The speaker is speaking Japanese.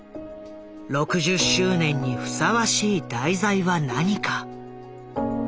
６０周年にふさわしい題材は何か。